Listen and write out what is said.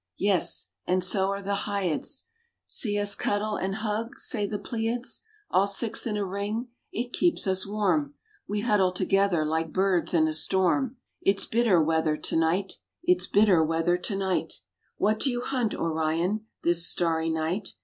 "Yes, and so are the Hyads: See us cuddle and hug," say the Pleiads, "All six in a ring: it keeps us warm: We huddle together like birds in a storm: It's bitter weather to night, It's bitter weather to night." "What do you hunt, Orion, This starry night?"